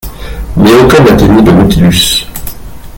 Mais aucun n’atteignit le Nautilus.